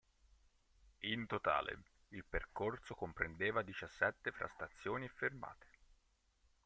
In totale il percorso comprendeva diciassette fra stazioni e fermate.